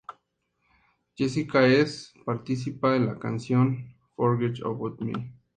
Jessica Ess participa en la canción "Don't You Ever Forget About Me".